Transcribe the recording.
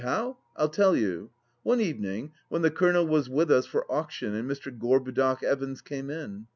How ? I'll tell you. One evening, when the Colonel was with us for Auction and Mr. Gorbudoc Evans came in.